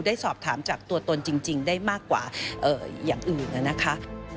ได้สอบถามจากตัวตนจริงได้มากกว่าอย่างอื่นนะคะ